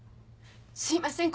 すいません。